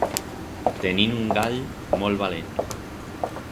Tenim un gall molt valent.